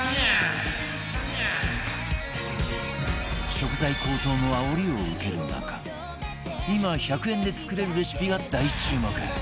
食材高騰のあおりを受ける中今１００円で作れるレシピが大注目！